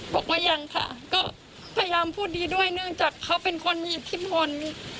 บอกว่ายังค่ะก็พยายามพูดดีด้วยเนื่องจากเขาเป็นคนมีอิทธิพล